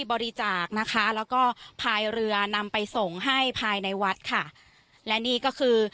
บริจาคนะคะแล้วก็พายเรือนำไปส่งให้ภายในวัดค่ะและนี่ก็คือ